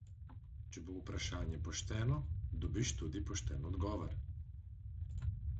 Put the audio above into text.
Če bo vprašanje pošteno, dobiš tudi pošten odgovor!